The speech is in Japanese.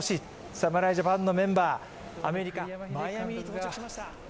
侍ジャパンのメンバー、アメリカ・マイアミに到着しました。